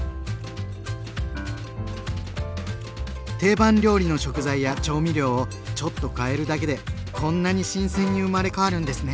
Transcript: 定番料理の食材や調味料をちょっとかえるだけでこんなに新鮮に生まれ変わるんですね。